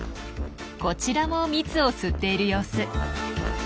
こちらも蜜を吸っている様子。